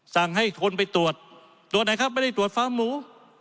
สั่งให้คนไปตรวจตรวจไหนครับไม่ได้ตรวจฟาร์มหมู